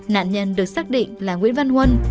nạn nhân được xác định là nguyễn văn huân